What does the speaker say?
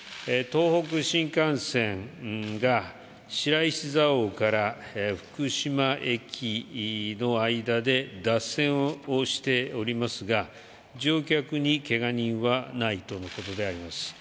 東北新幹線が白石蔵王から福島駅の間で脱線をしておりますが乗客にけが人はないとのことであります。